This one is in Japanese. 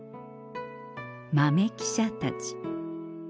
豆記者たち